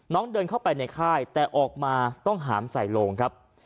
เดินเข้าไปในค่ายแต่ออกมาต้องหามใส่โลงครับ